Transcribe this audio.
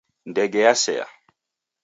Ndege yasea.